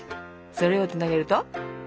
それをつなげると？